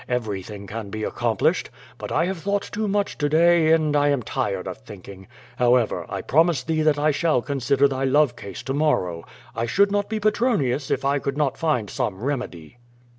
Everything can be accomplished. But I have thought too much to day, and I am tired of thinking. However^ I promise thee that I shall consider thy love case to morrow. I should not be Pe tronius if I could not find some remedy."